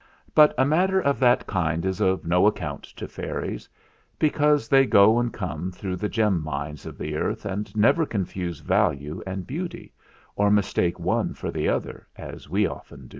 But a matter of that kind is of no account to fairies, because they go and come through the gem mines of the earth and never confuse value and beauty, or mistake one for the other, as we so often do.